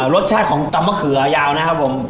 รสชาติของตำมะเขือยาวนะครับผม